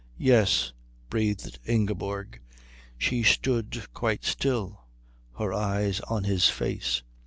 "Yes," breathed Ingeborg. She stood quite still, her eyes on his face.